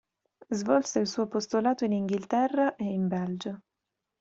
Svolse il suo apostolato in Inghilterra e in Belgio.